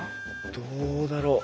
どうだろ？